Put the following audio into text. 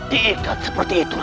diikat seperti itu raden